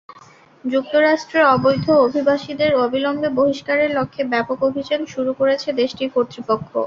যুক্তরাষ্ট্রে অবৈধ অভিবাসীদের অবিলম্বে বহিষ্কারের লক্ষ্যে ব্যাপক অভিযান শুরু করেছে দেশটির কর্তৃপক্ষ।